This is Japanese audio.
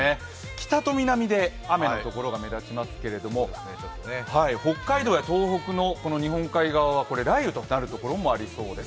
北と南で雨のところが目立ちますけれど北海道や東北の日本海側は雷雨となるところもありそうです。